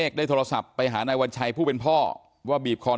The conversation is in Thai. ก็ไปช่วยกัน